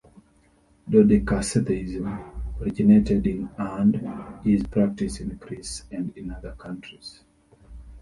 Dodekatheism originated in and is practiced in Greece and in other countries.